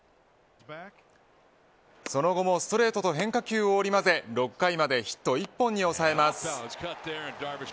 その後も、ストレートと変化球を織り交ぜ、６回までヒット１本に抑えます。